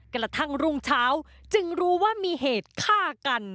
กระทั่งรุ่งเช้าจึงรู้ว่ามีเหตุฆ่ากัน